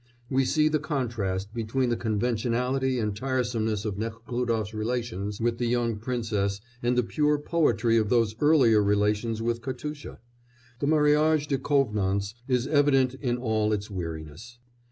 We see the contrast between the conventionality and tiresomeness of Nekhlúdof's relations with the young princess and the pure poetry of those earlier relations with Katusha. The mariage de convenance is evident in all its weariness.